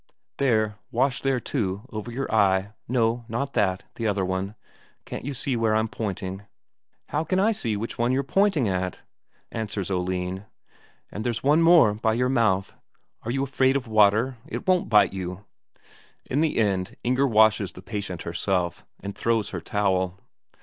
"There wash there too, over your eye. No, not that, the other one; can't you see where I'm pointing?" "How can I see which one you're pointing at," answers Oline. "And there's more there, by your mouth. Are you afraid of water? it won't bite you!" In the end, Inger washes the patient herself, and throws her a towel.